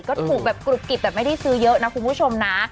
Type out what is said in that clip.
ก็ถูกแบบกรุบกิบแต่ไม่ได้ซื้อเยอะนะคุณผู้ชมนะ